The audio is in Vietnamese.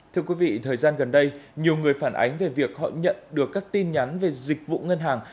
thưa quý vị thời gian gần đây nhiều người phản ánh về việc họ nhận được các tin nhắn về dịch vụ ngân hàng